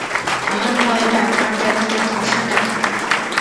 আমার ভয় হয়, আমার যেন কোন আশা নাই।